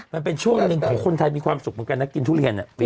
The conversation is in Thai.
มันเป็นช่วงหนึ่งของคนไทยมีความสุขเหมือนกันนักกินทุเรียน